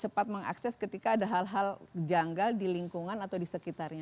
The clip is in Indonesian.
cepat mengakses ketika ada hal hal janggal di lingkungan atau di sekitarnya